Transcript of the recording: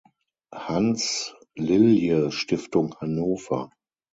Hanns-Lilje-Stiftung Hannover.